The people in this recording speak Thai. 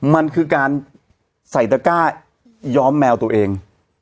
มันคือการใส่ตะก้าย้อมแมวตัวเอง